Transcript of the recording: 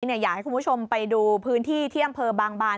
อยากให้คุณผู้ชมไปดูพื้นที่ที่อำเภอบางบาน